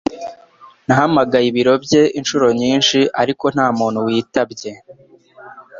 Nahamagaye ibiro bye inshuro nyinshi ariko nta muntu witabye